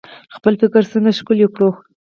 خپل فکر څنګه ښکلی کړو؟